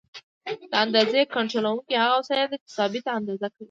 د اندازې کنټرولونکي هغه وسایل دي چې ثابته اندازه کوي.